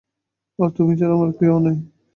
আর তুমি ছাড়া আমারো কেউ নেই।